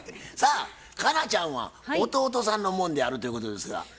さあ佳奈ちゃんは弟さんのもんであるということですが。